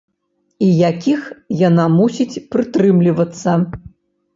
І якіх яна мусіць прытрымлівацца.